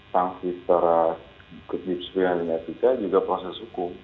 sanksi secara kedisiplinan dan etika juga proses hukum